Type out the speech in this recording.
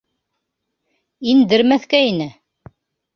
Индермәҫкә ине.